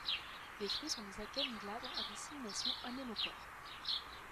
Les fruits sont des akènes glabres à dissémination anémochore.